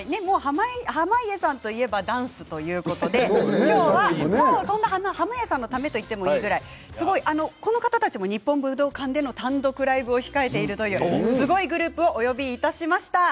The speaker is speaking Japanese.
濱家さんといえばダンスということで今日は、そんな濱家さんのためといってもいいぐらいこの方たちも日本武道館での単独ライブを控えているというすごいグループをお呼びしました。